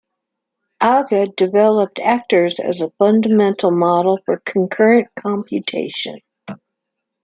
Agha developed Actors as a fundamental model for concurrent computation.